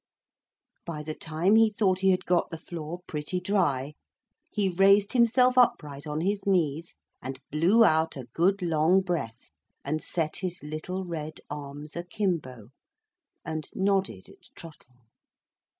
By the time he thought he had got the floor pretty dry, he raised himself upright on his knees, and blew out a good long breath, and set his little red arms akimbo, and nodded at Trottle.